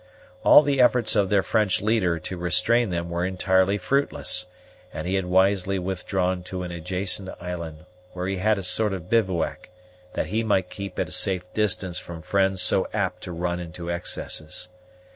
All the efforts of their French leader to restrain them were entirely fruitless, and he had wisely withdrawn to an adjacent island, where he had a sort of bivouac, that he might keep at a safe distance from friends so apt to run into excesses.